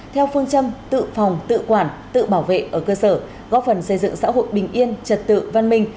theo phương châm tự phòng tự quản tự bảo vệ ở cơ sở góp phần xây dựng xã hội bình yên trật tự văn minh